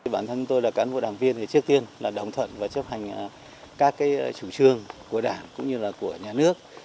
bản thân tôi là cán bộ đảng viên thì trước tiên là đồng thuận và chấp hành các chủ trương của đảng cũng như là của nhà nước